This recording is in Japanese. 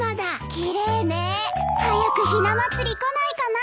奇麗ねえ。早くひな祭り来ないかなあ。